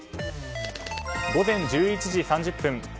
午前１１時３０分。